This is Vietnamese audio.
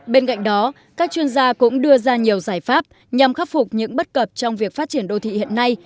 bên cạnh đó các chuyên gia cũng đưa ra nhiều giải pháp nhằm khắc phục những bất cập trong việc phát triển đô thị hiện nay